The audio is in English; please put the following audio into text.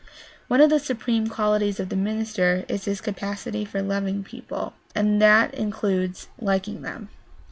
One of the supreme qualities of the minister is his capacity for loving people, and that includes liking them.